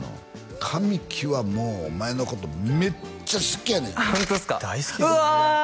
神木はもうお前のことめっちゃ好きやねんホントっすかうわ！